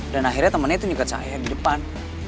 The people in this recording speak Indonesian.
dan akhirnya temennya itu nyugat saya dan